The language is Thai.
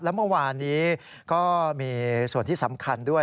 และเมื่อวานนี้ก็มีส่วนที่สำคัญด้วย